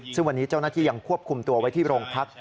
ซึ่งวันนี้เจ้าหน้าที่ยังควบคุมตัวไว้ที่โรงพัก